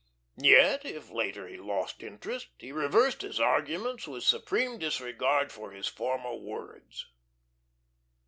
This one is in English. Yet, if later he lost interest, he reversed his arguments with supreme disregard for his former words.